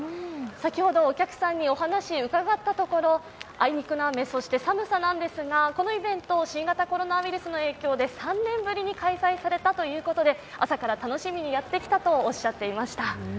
先ほど、お客さんのお話を伺ったところ、あいにくの雨、そして寒さなんですがこのイベント、新型コロナウイルスの影響で３年ぶりに開催されたということで朝から楽しみにやってきたとおっしゃっていました。